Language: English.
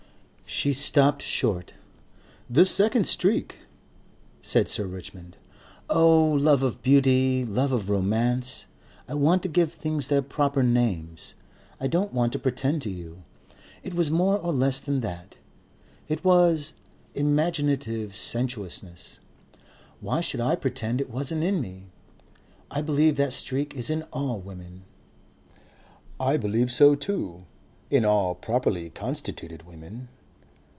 She stopped short. "The second streak," said Sir Richmond. "Oh! Love of beauty, love of romance. I want to give things their proper names; I don't want to pretend to you.... It was more or less than that.... It was imaginative sensuousness. Why should I pretend it wasn't in me? I believe that streak is in all women." "I believe so too. In all properly constituted women."